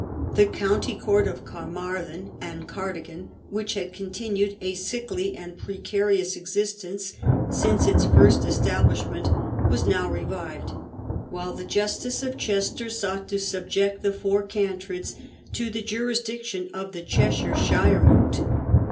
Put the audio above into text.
The county court of Carmarthen and Cardigan, which had continued a sickly and precarious existence since its first establishment, was now revived, while the justice of Chester sought to subject the Four Cantreds to the jurisdiction of the Cheshire shiremoot.